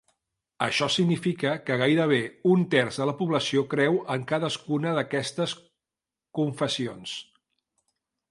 Això significa que gairebé un terç de la població creu en cadascuna d'aquestes confessions.